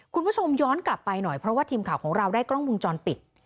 คุณผู้ชมย้อนกลับไปหน่อยเพราะว่าทีมข่าวของเราได้กล้องวงจรปิด